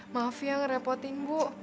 maaf ya ngerepotin bu